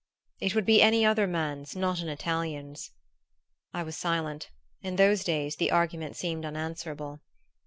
"It would be any other man's; not an Italian's." I was silent: in those days the argument seemed unanswerable.